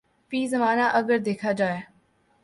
فی زمانہ اگر دیکھا جائے